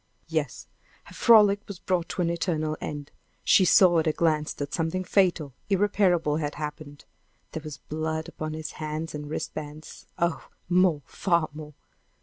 Yes; her frolic was brought to an eternal end. She saw at a glance that something fatal, irreparable, had happened. There was blood upon his hands and wrist bands! Oh, more far more!